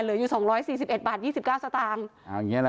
เหลืออยู่สองร้อยสี่สิบเอ็ดบาทยี่สิบเก้าสตางค์เอาอย่างเงี้ล่ะ